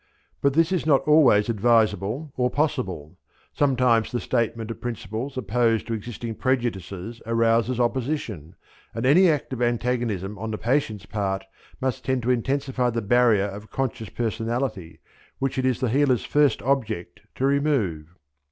But this is not always advisable or possible. Sometimes the statement of principles opposed to existing prejudices arouses opposition, and any active antagonism on the patient's part must tend to intensify the barrier of conscious personality which it is the healer's first object to remove.